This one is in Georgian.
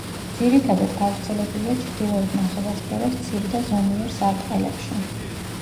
ძირითადად გავრცელებულია ჩრდილოეთ ნახევარსფეროს ცივ და ზომიერ სარტყელებში.